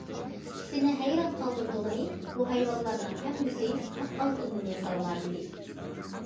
كىشىنى ھەيران قالدۇرىدىغىنى، بۇ ھايۋانلارنىڭ ھەممىسى ساپ ئالتۇندىن ياسالغانىدى.